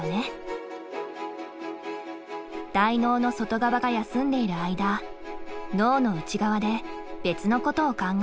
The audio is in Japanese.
大脳の外側が休んでいる間脳の内側で別のことを考える。